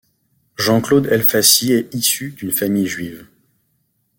Jean-Claude Elfassi est issu d'une famille juive.